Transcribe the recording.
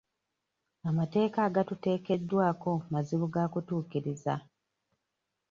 Amateeka agaatuteekeddwako mazibu gaakutuukiriza.